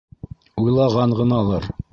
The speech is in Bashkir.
Уйлаған ғыналыр?!